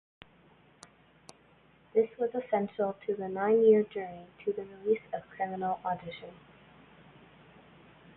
This was essential to the nine year journey to the release of Criminal Audition.